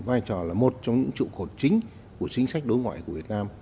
vai trò là một trong những trụ cột chính của chính sách đối ngoại của việt nam